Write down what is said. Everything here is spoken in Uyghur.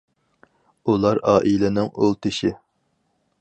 ئۇلار ئائىلىنىڭ ئۇل تېشى.